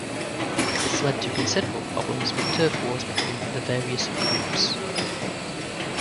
This led to considerable problems with turf wars between the various groups.